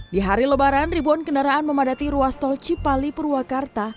di hari lebaran ribuan kendaraan memadati ruas tol cipali purwakarta